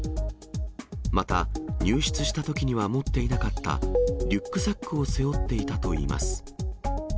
また、入室したときには持っていなかったリュックサックを背負っていたといいます。